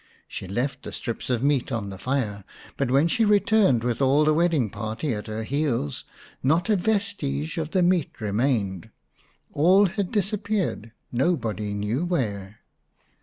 She left the strips of meat on the fire, but when she returned with all the wedding party at her heels not a vestige of the meat remained. All had disappeared, nobody knew where.